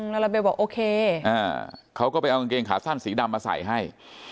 ลาลาเบลบอกโอเคเขาก็ไปเอากางเกงขาสั้นสีดำมาใส่ให้